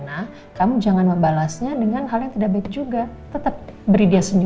apalagi masalahnya dibawa sampai udah mau tidur